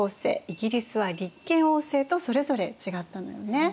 イギリスは立憲王政とそれぞれ違ったのよね。